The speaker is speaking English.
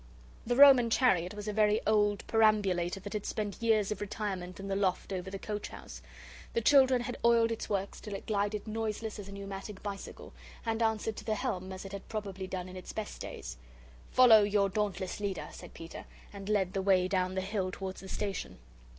The Roman Chariot was a very old perambulator that had spent years of retirement in the loft over the coach house. The children had oiled its works till it glided noiseless as a pneumatic bicycle, and answered to the helm as it had probably done in its best days. "Follow your dauntless leader," said Peter, and led the way down the hill towards the station.